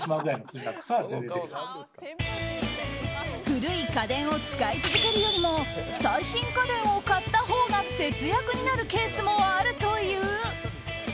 古い家電を使い続けるよりも最新家電を買ったほうが節約になるケースもあるという。